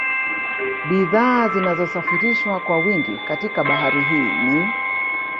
Bidhaa zinazosafirishwa kwa wingi katika Bahari hii ni